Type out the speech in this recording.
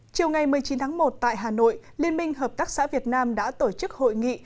chiều ngày một mươi chín tháng một tại hà nội liên minh hợp tác xã việt nam đã tổ chức hội nghị